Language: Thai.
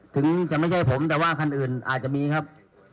ถึงจะไม่ใช่ผมแต่ว่าคันอื่นอาจจะมีครับ